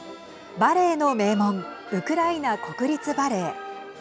バレエの名門ウクライナ国立バレエ。